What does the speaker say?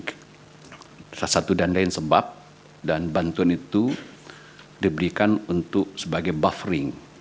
itu salah satu dana yang sebab dan bantuan itu diberikan untuk sebagai buffering